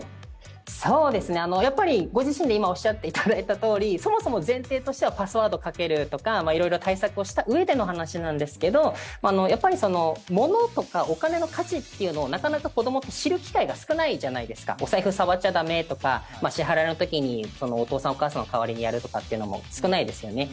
そうですねやっぱりご自身で今おっしゃっていただいたとおりそもそも前提としてはパスワードかけるとかいろいろ対策をしたうえでの話なんですけどやっぱりその物とかお金の価値っていうのをなかなか子どもって知る機会が少ないじゃないですかお財布触っちゃダメとかまあ支払いのときにお父さんお母さんの代わりにやるとかっていうのも少ないですよね